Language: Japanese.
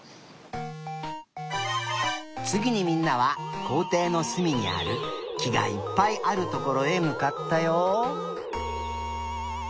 つぎにみんなはこうていのすみにあるきがいっぱいあるところへむかったよ。